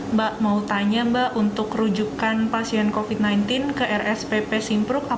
mbak mau tanya mbak untuk kerujukan pasien covid sembilan belas ke rsvp simprok